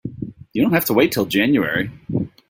You don't have to wait till January.